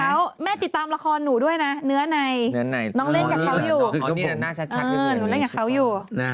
เดี๋ยวหนูจะเจอเขาเดี๋ยวหนูต้องเล่นละครจากเขา